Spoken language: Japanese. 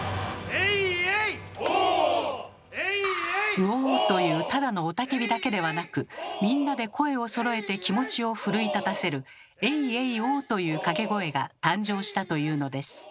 「ウォ」というただの雄たけびではなくみんなで声をそろえて気持ちを奮い立たせる「エイエイオー」という掛け声が誕生したというのです。